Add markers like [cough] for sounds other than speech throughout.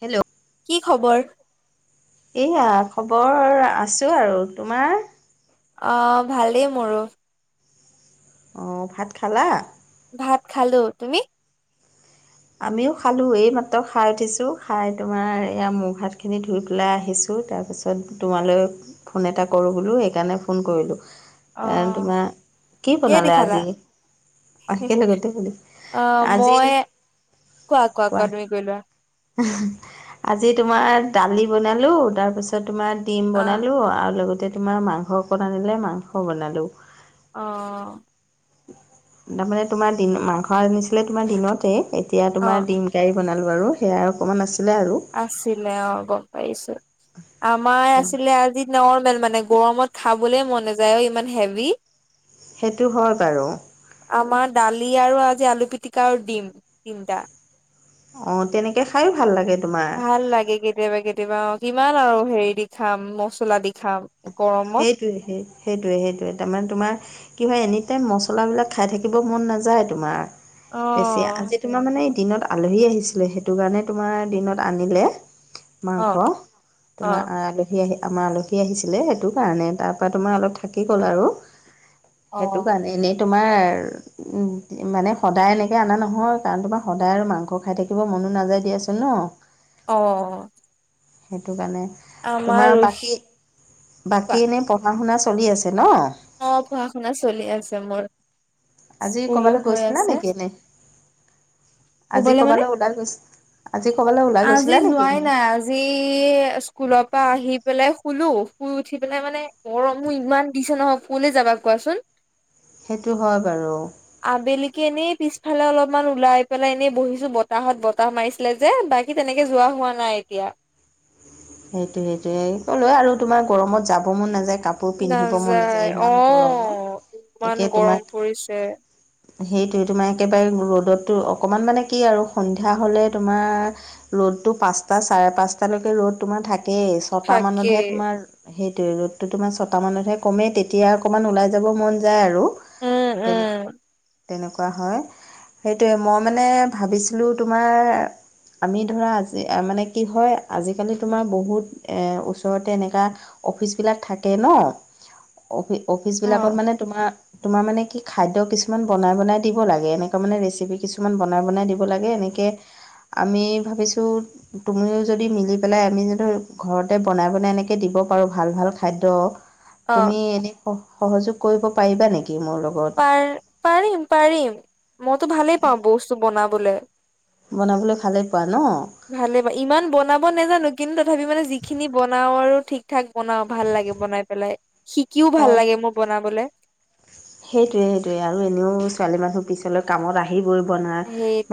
Hello, কি খবৰ? এইয়া খবৰ আছো আৰু। তোমাৰ? অ' ভালেই মোৰো। অ' ভাত খালা? ভাত খালো তুমি? আমিও খালো। এইমাত্ৰ খাই উঠিছো খাই তোমাৰ এইয়া মুখ হাত খিনি ধুই পেলাই আহিছো তাৰপিছত - [unintelligible] তোমালৈ ফোন এটা কৰো বোলো হেইকাৰণে ফোন কৰিলো। অ এ তোমাৰ কি কিহেদি বনালে খালা? আজি? আহিকে লগতে গ'লো, অ আজি মই কোৱা, কোৱা, কোৱা তুমি কৈ লোৱা। আজি তোমাৰ দালি বনালোঁ, তাৰ পিছত তোমাৰ ডিম আহ বনালো আৰু লগতে তোমাৰ মাংস অকণ আনিলে মাংস বনালো। অ'। তাৰমানে তোমাৰ দিন মাংস আনিছিলে তোমাৰ দিনতে, এতিয়া অ তোমাৰ দিম কাৰী বনালো আৰু হেয়া অকমান আছিলে আৰু। আছিলে অ', গ'ম পাইছো, আমাৰ আছিলে আজি নৰ্মেল মানে গৰমত খাবলে মন নাযায় ঐ ইমান হেবি। সেইটো হয় বাৰু। আমাৰ দালি আৰু আজি আলু পিটিকা আৰু দিম তিনটা। অ', তেনেকে খাইও ভাল লাগে। তোমাৰ ভাল লাগে কেতিয়াবা কেতিয়াবা অ', কিমান আৰু হেৰি দি খাম মচলা দি খাম। গৰমত। সেইটোৱে সেই-সেইটোৱে সেইটোৱে তাৰমানে তোমাৰ কি হয় এনি টাইম মছলাাবলাক খাই থাকিব মন নাযায় তোমাৰ অ বেছি, আজি তোমাৰ মানে দিনত আলহী আহিছিলে সেইটো কাৰণে তোমাৰ দিনত আনিলে। অ মাংস, অ তোমাৰ আলহী আহি আমাৰ আলহী আহিছিলে। সেইটো কাৰণে তাৰ পৰা তোমাৰ অলপ থাকি গ'ল আৰু অ সেইটো কাৰণে, এনেই তোমাৰ উম, মানে সদায় এনেকে অনা নহয় কাৰণ, তোমাৰ সদায় আৰু মাংস খাই থাকিব মনো নাযায় দিয়াচোন ন'। [inaudible] অ'। সেইটো কাৰণে। তোমাৰ আমাৰো বাকী বাকী এনেই পঢ়া-শুনা চলি আছে ন'? অ', পঢ়াশুনা চলি আছে মোৰ, আজি স্কুলো ক'ৰবালৈ হৈ গৈছিলা আছে। নেকি এনেই আজি শুবলে মানে ক'বালৈ ওলাই গৈছি আজি ক'বালৈ ওলাই আজি গৈছিলা নেকি যোৱাই এনেই? নাই আজি স্কুলৰ পৰা আহি পেলাই শুলো, শুই উঠি পেলাই মানে গৰমো ইমান দিছে নহয়। ক'লে যাবা কোৱাচোন? সেইটো হয় বাৰু। আবেলিকে এনেই পিছফালে অলপমান ওলাই পেলাই এনেই বহিছো বতাহত বতাহ মাৰিছিলে যে বা কী তেনেকে যোৱা হোৱা নাই এতিয়া। সেইটো সেইটোয়ে ক'লো আৰু তোমাৰ গৰমত যাব মন নাযায় কাপোৰ পিন্ধিব মন নাযায় ইমান গৰমত, ইমান একে গৰম তোমাক পৰিছে সেইটোৱে তোমাৰ একেবাৰে ৰ'দততো অকণমান মানে কি আৰু সন্ধিয়া হ'লে তোমাৰ ৰ'দটো পাঁচটা চাৰে পাঁচটালৈকে ৰ'দ তোমাৰ থাকেই, ছটা মানতহে থাকেই তোমাৰ সেইটোৱে ৰ'দটো তোমাৰ ছটামানতহে ক'মে তেতিয়া অকণমান ওলাই যাব মন যায় আৰু। উম উম তেনে-তেনেকুৱা হয়। সেইটোৱে মই মানে ভাবিছিলোঁ তোমাৰ আমি ধৰা আজি মানে কি হয় আজিকালি তোমাৰ বহুত ওচৰতে এনেকুৱা অফিচবিলাক থাকে ন' অফি অফিচ অ বিলাকত মানে তোমাৰ তোমাৰ মানে কি খাদ্য কিছুমান বনাই বনাই দিব লাগে, এনেকুৱা মানে ৰেচিপি কিছুমান বনাই বনাই দিব লাগে, এনে তিকে আমি ভাৱিছো তুমিয়ো যদি মিলি পেলাই আমি যদি ঘৰতে বনাই বনাই এনেকে দিব পাৰোঁ ভাল ভাল খাদ্য। অ তুমি এনেই স সহযোগ কৰিব পাৰিবা নেকি মোৰ লগত? পাৰিম পাৰিম মইতো ভালে পাওঁ বস্তু বনাবলে। বনাবলৈ ভালেই পোৱা ন? ভালেই বা ইমান বনাব নোজানো, কিন্তু মানে যিখিনি বনাও আৰু ঠিক-ঠাক বনাও। ভাল লাগে বনাই পেলাই শিকিও ভাল অঁ লাগে মোৰ বনাবলে। সেইটোৱে, সেইটোৱে, আৰু এনেও ছোৱালী মানুহ পিছলৈ কামত আহিবই, বনা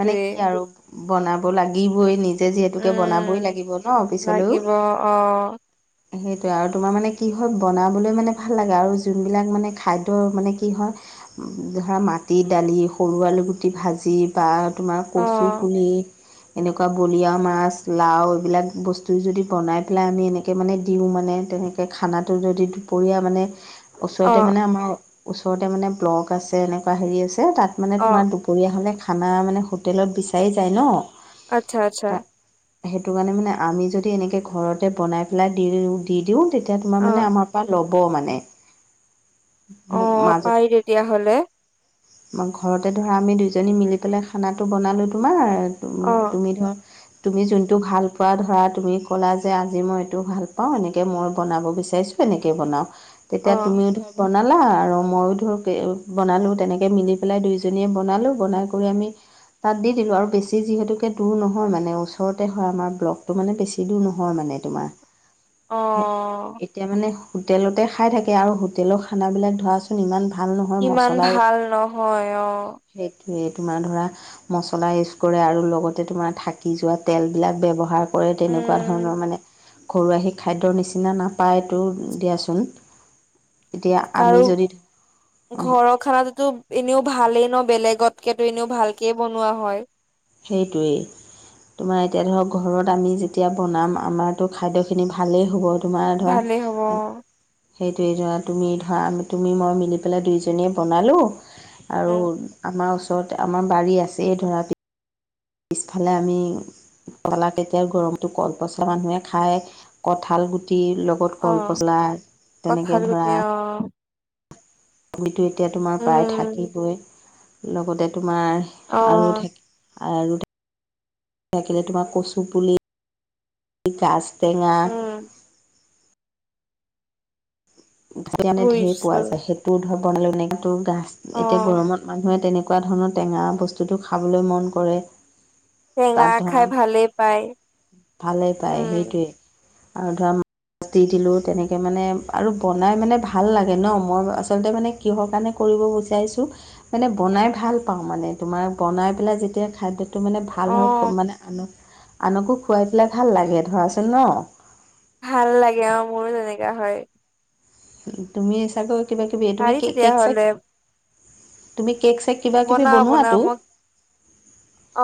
মানে কি আৰু বনাব লাগিবই নিজ জে যিহেতু বনাবই উম লাগিব ন পিছলৈও। লাগিব অ সেইটোয়ে আৰু, তোমাৰ মানে কি হয় বনাবলৈ মানে ভাল লাগে আৰু যোন বিলাক মানে খাদ্য মানে কি হয়, ধৰা মাটি দালি সৰু আলুগুটি ভাজি বা তোমাৰ অ কচু পুলি এনেকুৱা বলিয়ৰা মাছ লাও এইবিলাক বস্তু যদি বনাই পেলাই আমি এনেকৈ মানে দিওঁ। মানে তেনেকৈ এই খানাটো যদি দুপৰীয়া মানে অ ওচৰতে মানে আমাৰ ওচৰতে মানে ব্লক আছে এনেকুৱা হেৰি আছে, তাত মানে অ তোমাৰ দূপৰীয়া হ'লে খানা মানে হোটেলত বিচাৰি যায় ন। আচ্ছা, আচ্ছা। সেইটো কাৰণে মানে আমি যদি এনেকে ঘৰতে বনাই পেলাই দি দিওঁ, তেতিয়া তোমাৰ অ মানে আমাৰ ল'ব মানে। অ মোক মাজত পাৰি তেতিয়াহ'লে ঘৰতে ধৰা আমি দুইজনী মিলি পেলাই খানাটো বনালোঁ তোমাৰ, অ তুমি ধৰ তুমি যোনটো ভাল পোৱা ধৰা তুমি ক'লা যে আজি মই এইটো ভাল পাওঁ এনেকৈ মই বনাব বিচাৰিছোঁ তেনেকে বনাওঁ। অ তেতিয়া তুমিও ধৰি বনা লা আৰু, ময়ো ধৰক এ বনালোঁ তেনেকৈ মিলি পেলাই দুইজনীয়ে বনালোঁ, বনাই কৰি আমি তাত দি দিলো আৰু, বেছি যিহেতুকে দূৰ নহয় মানে ওচৰতে হয় আমাৰ ব্লকটো। মানে বেছি দূৰ নহয় মানে তোমাৰ। অ হে এতিয়া মানে হোটেলতে খাই থাকে। আৰু হোটেলৰ খানাবিলাক ধৰাচো ন ইমান ভাল নহয়, ইমান মচলাই ভাল নহয় অ সেইটোৱে তোমাৰ ধৰা মচলা ইউজ কৰে, আৰু লগতে তোমাৰ থাকি যোৱা তেলবিলাক ব্যৱহাৰ কৰে। তেনেকুৱা ধৰণৰ উম মানে ঘৰুৱা সেই খাদ্যৰ নিচিনা নাপায়টো দিয়াচোন। এতিয়া আমি আৰু যদি অ', ঘৰত খানাটোতো এনেও ভালেই ন, বেলেগতকে এনেও ভালকে বনোৱা হয়। সেইটোৱেই। তোমাৰ এতিয়া ধৰক ঘৰত আমি যেতিয়া বনাম, আমাৰতো খাদ্যখিনি ভালেই হ'ব। তোমাৰ ধৰা ভালেই হ'ব অ সেইটোৱে ধৰা, তুমি ধৰা তুমি মই মিলি পেলাই দুইজনীয়ে বনালোঁ। আৰু উম আমাৰ ওচৰতে আমাৰ বাৰী আছেই ধৰা। পিছফালে আমি তোলা এতিয়া গৰমতো কলপচলা মানুহে খায়ে, কঠাল গুটি লগ ক'ত অ ক'ল পচলা কঠাল তেনেকে ধৰা গুটি অ'। [unintelligible] এতিয়া তোমাৰ প্ৰায় উম থাকিবই, লগতে তোমাৰ- অ আৰু ঢেক আৰু ঢেক থাকিলে তোমাৰ কচু পুলি গাজ টেঙা উম [unintelligible] ঢেৰ বুজিছো পোৱা যায় সেইটো ধৰ বনালে [unintelligible] তোৰ গাছ অ এতিয়া গৰমত মানুহে তেনে এনেকুৱা ধৰণৰ টেঙা বস্তুটো খাবলৈ মন কৰে। টেঙা তাত ধৰা খাই ভালে পায়। ভালেই পায় উম সেইটোৱেই আৰু ধৰা মাছ দি দিলোঁ তেনেকে মানে আৰু বনাই মানে ভাল লাগে ন, মই ম আচলতে মানে কিহৰ কাৰণে কৰিব বিচাৰিছোঁ মানে বনাই ভাল পাওঁ মানে তোমাৰ বনাই পেলাই যেতিয়া খাদ্য টো মানে ভাল অ হয় মানে আনক আনকো খুৱাই পেলাই ভাল লাগে ধৰাচোন ন। ভাল লাগে অ মোৰো তেনেকা হয়। ওম তুমি চাগৈ কিবা কিবি তুমি পাৰি কে কেক চেক, তেতিয়াহলে তুমি কেক চেক কিবা কিবি বনাও বনাও বনোৱাতো মই,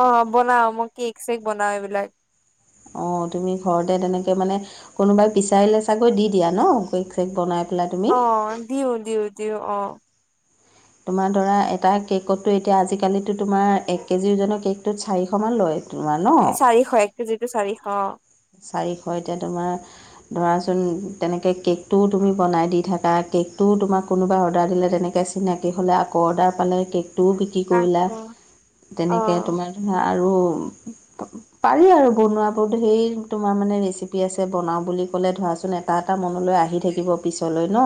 অ বনাও মই কেক চেক বনাও এইবিলাক। অঁ তুমি ঘৰতে তেনেকৈ মানে কোনোবাই বিচাৰিলে চাগৈ দি দিয়া ন গৈ কেক বনাই পেলাই তুমি দিওঁ দিওঁ দিওঁ অ। তোমাৰ ধৰা এটা কেকততো এতিয়া আজিকালিতো তোমাৰ এক কেজি ওজনৰ কেকটোত চাৰিশ মান লয়। তোমাৰ ন এ চাৰিশ এক কেজিৰটো চাৰিশ। চাৰিশ এতিয়া তোমাৰ ধৰাচোন তেনেকে কেকটোও তুমি বনাই দি থাকা, কেকটোও তোমাক কোনোবা অৰ্ডাৰ দিলে তেনেকে চ চিনাকি হ'লে আকৌ অৰ্ডাৰ পালে কেকটোও বিক্ৰী কৰিলা আঠশ তেনেকে অ তোমাৰ হা আৰু পা পাৰি আৰু বনোৱাবটো সেই তোমাৰ মানে ৰেচিপি আছে বনাওঁ বুলি ক'লে ধৰাচোন এটা এটা মনলৈ আহি থাকিব পিছলৈ ন।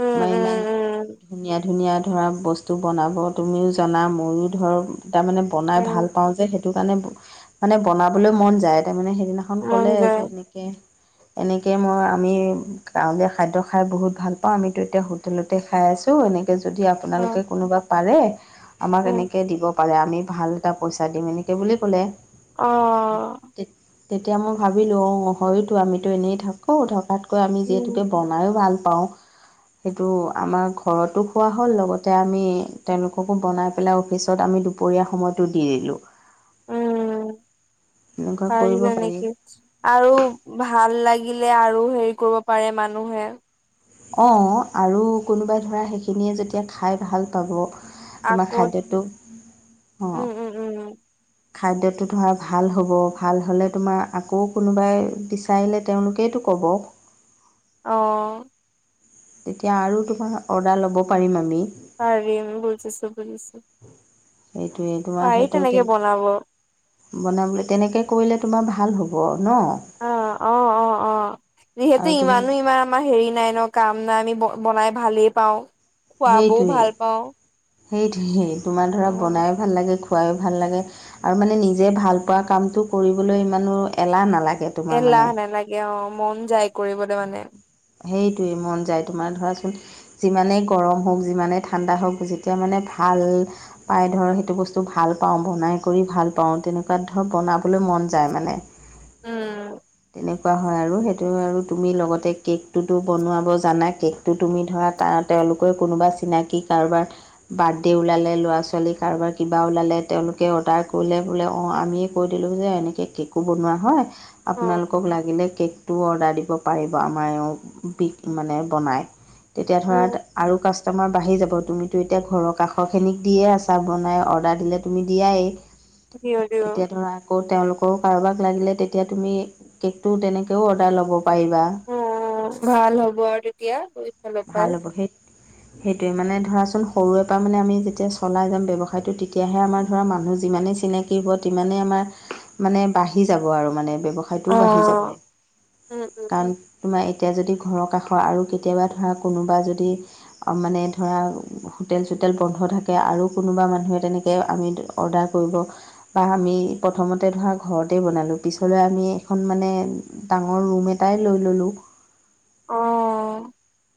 উম তোমাৰ উম ইমান উম ধুনীয়া ধুনীয়া ধৰা বস্তু বনাব, তুমিও জনা ময়ো ধৰ তাৰমানে বনাই উম ভাল পাওঁ যে সে টো কাৰণে ব মানে বনাবলৈ মন যায় তাৰমানে সেইদিনাখন মন ক'লে যায় যে এনেকে এনেকে মই আমি গাঁৱলীয়া খাদ্য খাই বহুত ভাল পাওঁ, আমিতো এতিয়া হোটেলতে খাই আছো এনে কে যদি উম আপোনালোকে কোনোবা পাৰে, আমাক উম এনেকে দিব পাৰে আমি ভাল এটা পইচা দিম এনেকে বুলি ক'লে। অ। তেতিয়া মই ভাবিলোঁ, অঁ হয়তো আমিতো এনেই থাকোঁ থকাতকৈ আমি যিহেতুকে উম বনায়ো ভাল পাওঁ। সেইটো আমাৰ ঘৰতো খোৱা হ'ল লগতে আমি তেওঁলোককো বনাই পেলাই অফিচত আমি দু পৰীয়া সময়তো দি দিলো। ওম পাৰিলা নেকি? আৰু ভাল লাগিলে আৰু হেৰি কৰিব পাৰে মানুহে। অ আৰু কোনোবাই ধৰা সেইখিনিয়ে যেতিয়া খাই ভাল পাব তোমাৰ আকৌ খাদ্যটো অ। উম উম উম খাদ্যটো ধৰ ভাল হ'ব, ভাল হ'লে তোমাৰ আকৌ কোনোবাই পিছ চাইলে তেওঁলোকেইটো ক'ব। অ। তেতিয়া আৰু তোমাৰ অৰ্ডাৰ ল'ব পাৰিম আমি। পাৰিম বুজিছো বুজিছো। সেইটোৱেইটো। পাৰি তেনেকে বনাব। বনাবলৈ তেনেকে কৰিলে তোমাৰ ভাল হ'ব ন? অ, অ অ অ যিহেতু আৰু তুমি ইমানো ইমা আমাৰ হেৰি নাই ন কাম নাই আমি ব বনাই ভালেই পাওঁ। খুৱাবও সেইটোৱেই ভাল পাওঁ সেইটোৱেই তোমাৰ ধৰা অ বনাই ভাল লাগে খ খুৱাই অ ভাল লাগে আৰু মানে নিজে ভালপোৱা কামটো কৰিবলৈ ইমানো এলাহ নালাগে তোমাৰ মানে এলাহ নালাগে অ মন যায় কৰিবলে মানে সেইটোৱেই মন যায় তোমাৰে ধৰাচোন যিমানেই গৰম হওক, যিমানেই ঠাণ্ডা হওক যেতিয়া মানে ভাল পাই ধৰক সেইটো বস্তু ভাল পাওঁ বনাই কৰি ভাল পাওঁ, তেনেকুৱা ধৰ বনাবলৈ মন যায় মানে উম এনেকুৱা হয় আৰু সেইটো আৰু তুমি লগতে কেক টোতো বনোৱাব জানা কেকটো তুমি ধৰা ত তেওঁলোকৰ কোনোবা চিনাকি কাৰোবাৰ বাৰ্থডে' ওলালে ল'ৰা-ছোৱালী কাৰোবাৰ কিবা ওলালে তেওঁলোকে অৰ্ডাৰ কৰিলে বোলে অঁ আমি কৈ দিলো যে এনেকে কেকো বনোৱা হয় অ আপোনালোকক লাগিলে কেকটো অৰ্ডাৰ দিব পাৰিব আমাৰ এও বিষ মানে বনায় তেতিয়া ধৰা উম আৰু কাচ ষ্টমাৰ বাঢ়ি যাব, তুমিতো এতিয়া ঘৰৰ কাষৰখিনিক দিয়ে আছা বনাই অৰ্ডাৰ দিলে তুমি দিয়াই। দিও দিও এতিয়া ধৰা আকৌ তেওঁলোকৰ কাৰোবাক লাগিলে তেতিয়া তুমি কেকটো তেনেকৈও অৰ্ডাৰ ল'ব পাৰিবা অ ভাল হ'ব আৰু তেতিয়া ফালৰ পৰাই ভাল হ'ব সেই সেইটোৱে মানে ধৰাচোন সৰুৰে পৰা মানে আমি যেতিয়া চলাই যাম ব্যৱসায়টো তেতিয়াহে আমাৰ ধৰা মানুহ যিমানেই চিনাকি থাকিব তিমানে আমাৰ মানে বাঢ়ি যাব আৰু মানে ব্যৱসায়টোও উম বাঢ়ি যাব উম কাৰণ তোমাৰ এতিয়া যদি ঘৰৰ কাষৰ আৰু কেতিয়াবা ধৰা কোনোবা যদি মানে ধৰা হোটেল চোটেল বন্ধ থাকে আৰু কোনোবা মানুহে তেনেকে আমি অৰ্ডাৰ কৰিব। বা আমি প্ৰথমতে ধৰা ঘৰতেই বনালোঁ পিছলৈ আমি এখন মানে ডাঙৰ ৰুম এটাই লৈ ললোঁ। অ'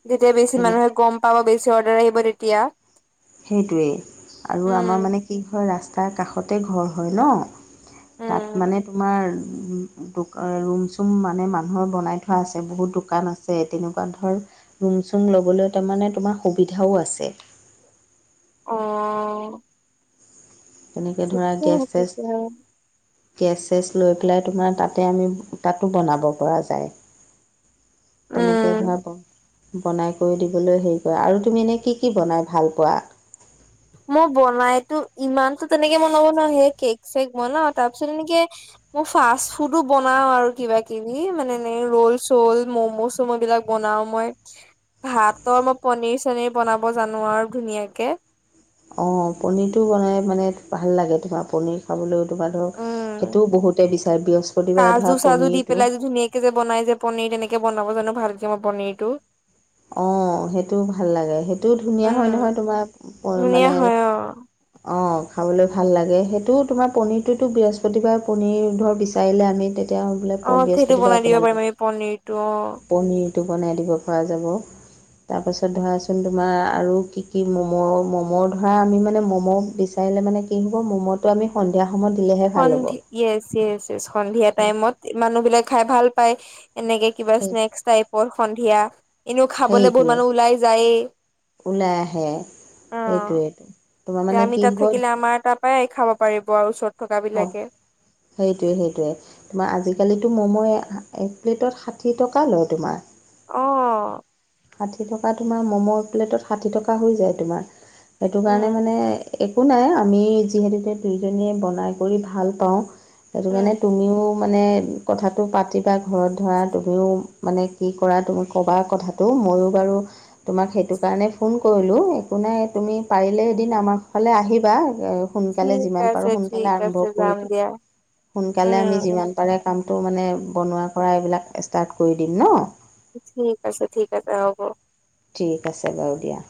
যেতিয়া বেছি তেনে মানুহে গম ল, বেছি অৰ্ডাৰ আহিব তেতিয়া সেইটোৱেই আৰু আমাৰ মানে উম কি হয় ৰাস্তাৰ কাষতে ঘৰ হয় ন। উম তাত মানে তোমাৰ উম দোক ৰুম চুম মানে মানুহৰ বনাই থোৱা আছে বহুত দোকান আছে তেনেকুৱা ধৰ ৰুম চুম ল'বলৈ তাৰ মানে তোমাৰ সুবিধাও আছে। অ' তেনেকে ধৰা ঠিকে গেছ-চেছ তেতিয়া গেছ চেছ লৈ পেলাই তোমাৰে তাতে আমি তাতো বনাব পৰা যায়। উম তেনেকে ধৰা বনাই কৰি দিবলৈ হেৰি কৰা। আৰু তুমি এনে কি কি বনাই ভাল পোৱা? মই বনাইতো ইমানতো তেনেকে বনাব নোৱাৰোঁ। সেই কেক চেক বনাও তাৰ পিছত এনেকে মই ফাষ্ট ফুডো বনাও আৰু কিবা কিবি মানে এনে ৰ'ল চল, ম'ম' চ'ম' এইবিলাক বনাও মই, ভাতৰ মই পনিৰ চনিৰ বনাব জানোঁ আৰু ধুনীয়াকে। অঁ পনীৰটো বনাই মানে ভাল লাগে তোমাৰ পনীৰ। খাবলৈও তোমাৰ ধৰক উম সেইটোও বহুতে বিচাৰে বৃহস্পতিবাৰে ধৰা পনীৰটো কে যে বনাই যে পনীৰ তেনেকে বনাব জানোঁ ভালকে মই পনীৰটো অ' সেইটো ভাল লাগে সেইটোও ধুনীয়া হয় উম নহয় তোমাক ধুনীয়া মানে হয় অ অঁ খাবলৈ ভাল লাগে সেইটো তোমাৰ পনীৰটোতো বৃহস্পতিবাৰে পনীৰ ধৰ বিচাৰিলে আমি তে তিয়াও বোলে অ সেইটো বনাই বৃহস্পতিবাৰে দিব পাৰিম পেলালোগে আমি পনিৰটো অ পনীৰটো বনাই দিব পৰা যাব। [unintelligible] তাৰ পাছত ধৰাচোন তোমাৰ আৰু কি কি ম'ম' ম'ম' ধৰা আমি মানে ম'ম' বেছি কাইলে মানে কি হ'ব ম'ম'টো আমি সন্ধিয়া সময়ত দিলেহে ভাল হ'ব। ইয়েচ ইয়েচ ইচ সন্ধিয়া সেই টাইমত মানুহ বিলাকে খাই ভাল পায় এনেকে কিবা সেই স্নেকস টাইপৰ সন্ধিয়া এনেও খাবলৈ বহুত সেইটোৱে মানুহ ওলাই যায়েই। ওলাই আহে অ সেইটোৱেই তোমাৰ মানে কি হ'ল প্ৰায় খাব পাৰিব আৰু ওচৰত থকা খা বিলাকে সেইটোৱে সেইটোৱে- তোমাৰ আজিকালিতো ম'ম' এক প্লেটত ষাঠি টকা লয় তোমাৰ। অ' ষাঠি টকা তোমাৰ ম'ম' এপ্লেটত ষাঠি টকা হৈ যায় তোমাৰ সেইটো কাৰণে উম মানে একো নাই আমি যিহেতুকে দুয়োজনীয়ে বনাই কৰি ভাল পাওঁ। সেইটো উম কাৰণে তুমিও মানে কথাটো পাতিবা ঘৰত ধৰা তুমিও মানে কি কৰা তুমি ক'বা কথাটো। তো ময়ো বাৰু তোমাক সেইটো কাৰণে ফোন কৰিলোঁ একো নাই তুমি পাৰিলে উম এদিন আমাৰ এইফালে আহিবা। সোনকালে ঠিক যিমান আছে পাৰোঁ ঠিক সোনকালে আছে আৰম্ভ কৰি যাম দি দিয়া সোনকালে উম আমি উম যিমান পাৰোঁ কামটো মানে বনোৱা কৰা এইবিলাক ষ্টাৰ্ট কৰি দিম ন। ঠিক আছে ঠিক আছে হ'ব। ঠিক আছে বাৰু দিয়া।